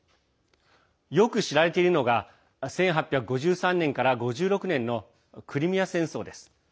よく知られているのが１８５３年から１８５６年のクリミア戦争です。